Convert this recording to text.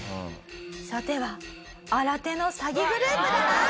さては新手の詐欺グループだな？